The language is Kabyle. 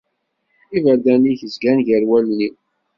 Iberdan-ik zgan gar wallen-iw.